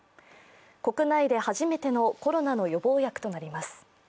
国内で初めてのコロナの予防薬となります。